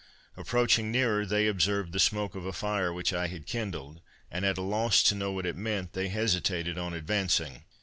Approaching nearer, they observed the smoke of a fire which I had kindled, and at a loss to know what it meant, they hesitated on advancing.